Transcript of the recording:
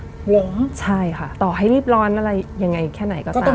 เหรออเรนนี่ใช่ค่ะต่อให้รีบร้อนอะไรยังไงแค่ไหนก็ตาม